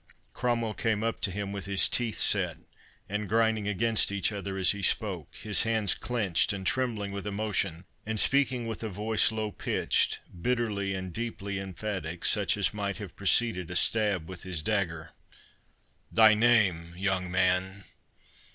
Cromwell came up to him with his teeth set, and grinding against each other as he spoke, his hands clenched, and trembling with emotion, and speaking with a voice low pitched, bitterly and deeply emphatic, such as might have preceded a stab with his dagger. "Thy name, young man?"